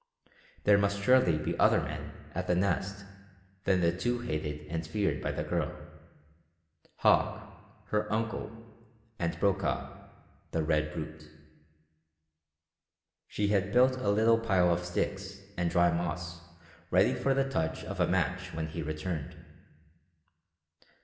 There must surely be other men at the Nest than the two hated and feared by the girl Hauck, her uncle, and Brokaw, the "red brute." She had built a little pile of sticks and dry moss ready for the touch of a match when he returned.